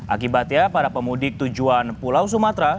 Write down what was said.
akibatnya para pemudik tujuan pulau sumatera